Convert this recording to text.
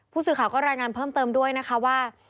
ผู้สื่อข่าวก็รายงานเพิ่มเติมด้วยนะคะว่า